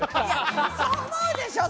そう思うでしょ？